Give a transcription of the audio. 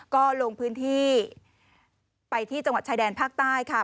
ก็ลงพื้นที่ไปที่จังหวัดชายแดนภาคใต้ค่ะ